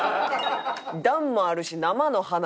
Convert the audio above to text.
段もあるし生の花あるし